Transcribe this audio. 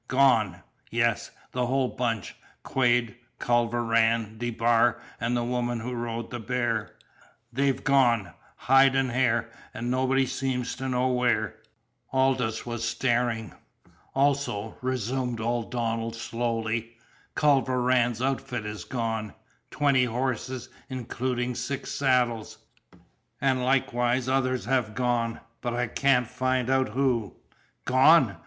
"Gone?" "Yes. The whole bunch Quade, Culver Rann, DeBar, and the woman who rode the bear. They've gone, hide and hair, and nobody seems to know where." Aldous was staring. "Also," resumed old Donald slowly, "Culver Rann's outfit is gone twenty horses, including six saddles. An' likewise others have gone, but I can't find out who." "Gone!"